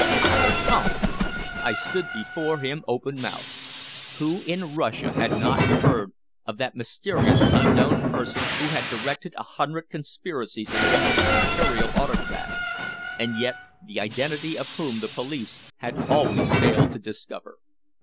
Otto Kampf! I stood before him open mouthed. Who in Russia had not heard of that mysterious unknown person who had directed a hundred conspiracies against the Imperial Autocrat, and yet the identity of whom the police had always failed to discover.